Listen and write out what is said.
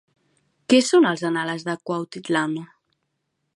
Què són els Anales de Cuauhtitlán?